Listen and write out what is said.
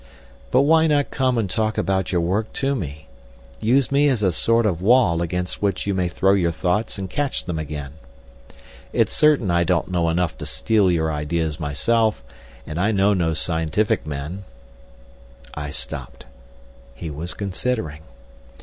But why not come and talk about your work to me; use me as a sort of wall against which you may throw your thoughts and catch them again? It's certain I don't know enough to steal your ideas myself—and I know no scientific men—" I stopped. He was considering.